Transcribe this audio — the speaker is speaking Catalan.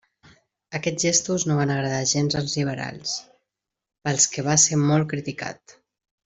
Aquests gestos no van agradar gens als liberals, pels que va ser molt criticat.